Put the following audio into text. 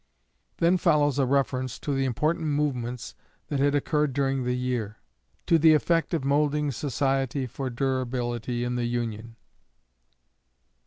Then follows a reference to the important movements that had occurred during the year, "to the effect of moulding society for durability in the Union."